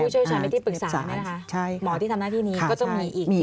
พี่พูดช่วยชัยไม่ได้ปรึกษาไหมหมอที่ทำหน้าที่นี้ก็จะมีอีก